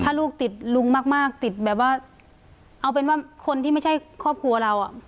ถ้าลูกติดลุงมากมากติดแบบว่าเอาเป็นว่าคนที่ไม่ใช่ครอบครัวเราอ่ะ